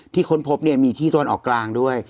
ที่ค้นพบมีที่ต้นออกกลางด้วย